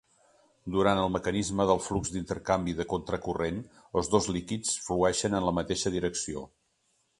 Durant el mecanisme del flux d'intercanvi de contracorrent, els dos líquids flueixen en la mateixa direcció.